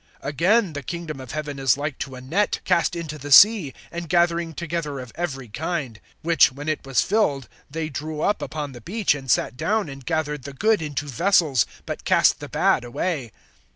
(47)Again, the kingdom of heaven is like to a net, cast into the sea, and gathering together of every kind. (48)Which, when it was filled, they drew up upon the beach, and sat down and gathered the good into vessels, but cast the bad away.